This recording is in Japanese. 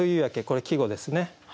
これ季語ですね